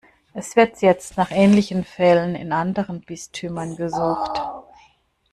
Es wird jetzt nach ähnlichen Fällen in anderen Bistümern gesucht.